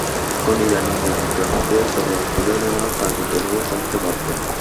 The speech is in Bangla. এখন ইরানি নেতৃত্ব হাতে তলোয়ার তুলে নেওয়ার তাগিদ অনুভব করতে বাধ্য।